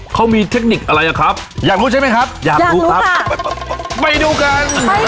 เขามีเทคนิคอะไรอ่ะครับอยากรู้ใช่ไหมครับอยากรู้ครับไปดูกัน